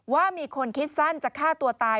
ว่ามีคนคิดสั้นจะฆ่าตัวตาย